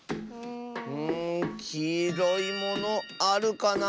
んきいろいものあるかなあ。